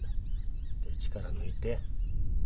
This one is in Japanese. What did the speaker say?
力抜いて。